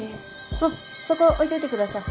あっそこ置いといて下さい。